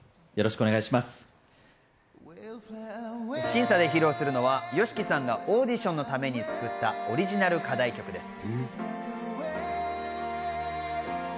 審査で披露するのはＹＯＳＨＩＫＩさんがオーディションのために作った、オリジナル課題曲です。